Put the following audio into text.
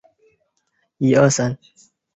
是文化大革命期间的温州地区权力机关。